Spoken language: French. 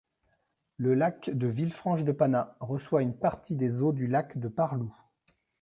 Le Lac de Villefranche-de-Panat reçoit une partie des eaux du Lac de Pareloup.